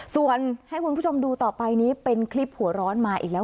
ส่วนให้คุณผู้ชมดูต่อไปนี้เป็นคลิปหัวร้อนมาอีกแล้ว